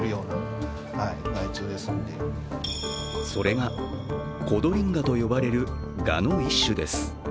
それがコドリンガと呼ばれるがの一種です。